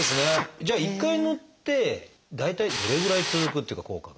じゃあ一回塗って大体どれぐらい続くっていうか効果が。